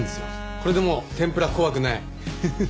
これでもう天ぷら怖くない。